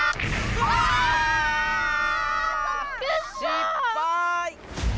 失敗！